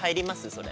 それ。